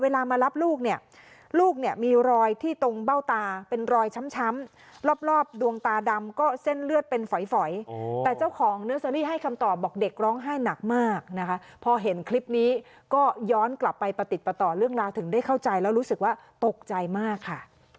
มารับลูกเนี่ยลูกเนี่ยมีรอยที่ตรงเบ้าตาเป็นรอยช้ำรอบดวงตาดำก็เส้นเลือดเป็นฝอยแต่เจ้าของเนอร์เซอรี่ให้คำตอบบอกเด็กร้องไห้หนักมากนะคะพอเห็นคลิปนี้ก็ย้อนกลับไปประติดประต่อเรื่องราวถึงได้เข้าใจแล้วรู้สึกว่าตกใจมากค่ะ